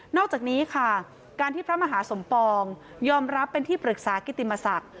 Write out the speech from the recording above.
อกจากนี้ค่ะการที่พระมหาสมปองยอมรับเป็นที่ปรึกษากิติมศักดิ์